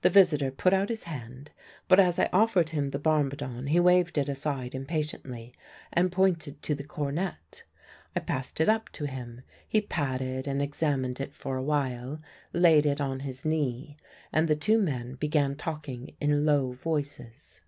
The visitor put out his hand, but as I offered him the bombardon he waved it aside impatiently and pointed to the cornet. I passed it up to him; he patted and examined it for a while, laid it on his knee, and the two men began talking in low voices.